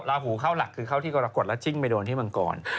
ลาหูเข้าหลักคือเข้าที่กรกฎแล้วจิ้งไปโดนที่มังกร